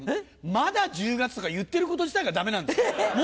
まだ１０月とか言ってること自体がダメなんですもう１０月。